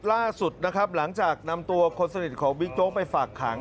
ล่าสุดนะครับหลังจากนำตัวคนสนิทของบิ๊กโจ๊กไปฝากขัง